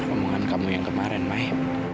omongan kamu yang kemarin maib